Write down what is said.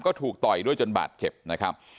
ก็ถูกต่อยด้วยจนบาดเจ็บนะครับ